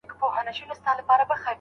زوی د پلار نصيحت نه و هېر کړی.